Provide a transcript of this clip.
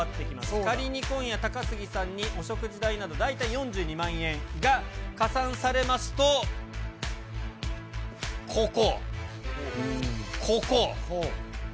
仮に今夜、高杉さんにお食事代など、大体４２万円が加算されますと、ここ。